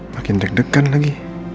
makin deg degan lagi